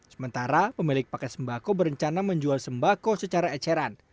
sementara pemilik paket sembako berencana menjual sembako secara eceran